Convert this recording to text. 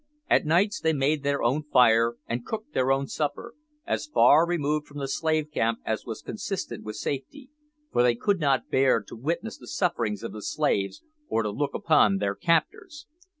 At nights they made their own fire and cooked their own supper, as far removed from the slave camp as was consistent with safety, for they could not bear to witness the sufferings of the slaves, or to look upon their captors.